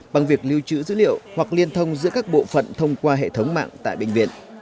bằng việc lưu trữ dữ liệu hoặc liên thông giữa các bộ phận thông qua hệ thống mạng tại bệnh viện